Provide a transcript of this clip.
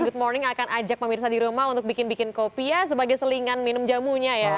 good morning akan ajak pemirsa di rumah untuk bikin bikin kopi ya sebagai selingan minum jamunya ya